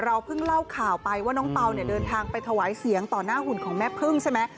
เพิ่งเล่าข่าวไปว่าน้องเปล่าเนี่ยเดินทางไปถวายเสียงต่อหน้าหุ่นของแม่พึ่งใช่ไหม